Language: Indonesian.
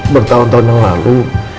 bertahun tahun yang lalu